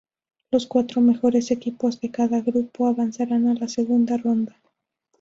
Los cuatro mejores equipos de cada grupo avanzarán a la segunda ronda.